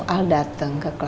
al dateng ke kelasnya